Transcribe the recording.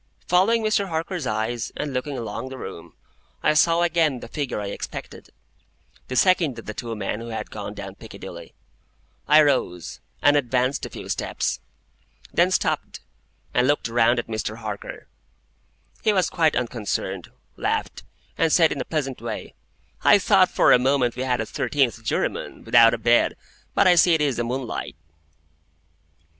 Following Mr. Harker's eyes, and looking along the room, I saw again the figure I expected,—the second of the two men who had gone down Piccadilly. I rose, and advanced a few steps; then stopped, and looked round at Mr. Harker. He was quite unconcerned, laughed, and said in a pleasant way, "I thought for a moment we had a thirteenth juryman, without a bed. But I see it is the moonlight."